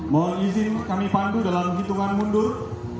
mohon izin kami pandu dalam hitungan mundur